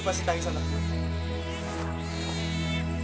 masalah itu mah kita bisa bicarain lain waktu itu